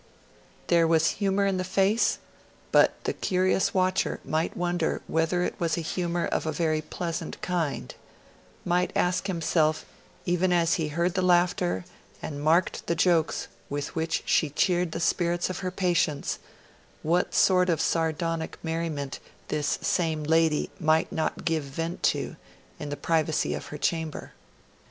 There was humour in the face; but the curious watcher might wonder whether it was humour of a very pleasant kind; might ask himself, even as he heard the laughter and marked the jokes with which she cheered the spirits of her patients, what sort of sardonic merriment this same lady might not give vent to, in the privacy of her chamber.